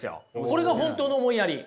これが本当の思いやり。